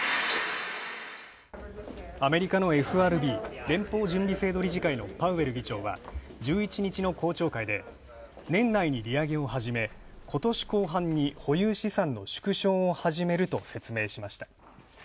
アメリカのＦＲＢ＝連邦準備制度理事会のパウエル議長は、１１日の公聴会で年内に利上げをはじめ、今年後半に保有資産の縮小を始めると説明しました。